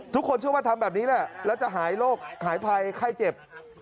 ทุกคนเชื่อว่าทำแบบนี้แหละแล้วจะหายโรคหายภัยไข้เจ็บ